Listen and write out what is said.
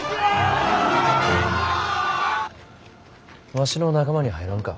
わしの仲間に入らんか？